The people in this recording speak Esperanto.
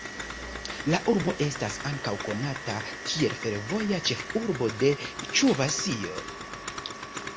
La urbo estas ankaŭ konata kiel ""fervoja ĉefurbo de Ĉuvaŝio"".